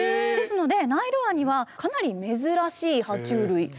ですのでナイルワニはかなり珍しいは虫類。